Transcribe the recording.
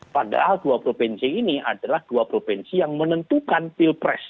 padahal dua provinsi ini adalah dua provinsi yang menentukan pilpres